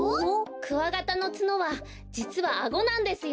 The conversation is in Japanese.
クワガタのツノはじつはアゴなんですよ。